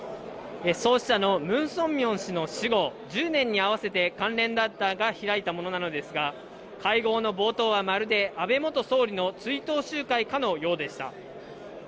創始者のムン・ソンミョン氏の死後１０年に合わせて、関連団体が開いたものなんですが、会合の冒頭はまるで安倍元総理の追悼集会かのようでした。